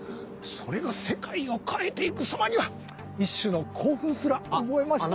それが世界を変えて行く様には一種の興奮すら覚えました。